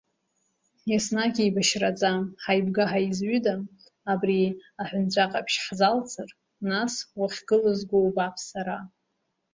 Еснагь еибашьраӡам, ҳаибга-ҳазҩыда абри аҳәынҵәа-қашь ҳзалҵыр, нас уахькылызго убап сара!